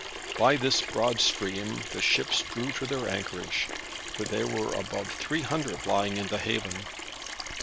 By this broad stream the ships drew to their anchorage, for there were above three hundred lying in the haven.